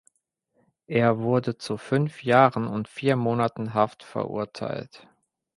Er wurde zu fünf Jahren und vier Monaten Haft verurteilt.